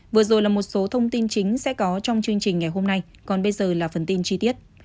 vừa rồi là một số thông tin chính sẽ có trong chương trình ngày hôm nay còn bây giờ là phần tin chi tiết